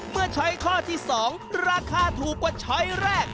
เมื่อใช้ข้อที่๒ราคาถูกกว่าใช้แรก